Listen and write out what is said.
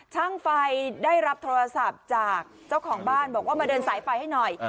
ช่างไฟได้รับโทรศัพท์จากเจ้าของบ้านบอกว่ามาเดินสายไฟให้หน่อย